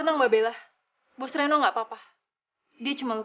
jadi mereka pasti akan ikut aku